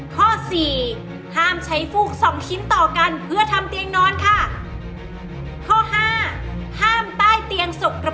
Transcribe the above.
ข้อ๗ห้ามวางกระจกเงาที่ปลายเตียงค่ะ